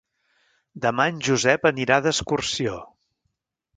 Demà en Josep anirà d'excursió.